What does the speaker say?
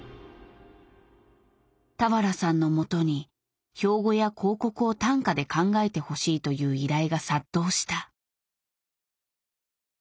俵さんのもとに標語や広告を短歌で考えてほしいという依頼が殺到した。